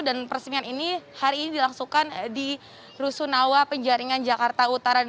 dan peresmian ini hari ini dilangsungkan di rusun awas penjaringan jakarta utara